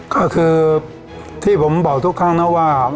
ก็คือที่ผมบอกทุกครั้งนะว่า